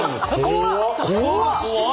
怖っ！